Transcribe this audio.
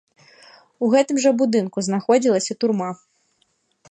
У гэтым жа будынку знаходзілася турма.